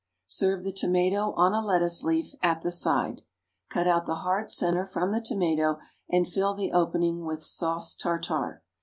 Serve the tomato on a lettuce leaf at the side. Cut out the hard centre from the tomato and fill the opening with sauce tartare.